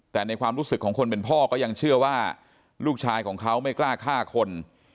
แต่ในความรู้สึกของคนเป็นพ่อก็ยังเชื่อว่าลูกชายของเขาไม่กล้าฆ่าคน